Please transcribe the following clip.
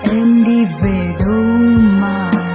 em đi về đâu mà